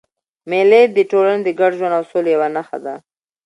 مېلې د ټولني د ګډ ژوند او سولي یوه نخښه ده.